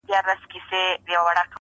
o پر زردکه نه يم، پر خرپ ئې يم.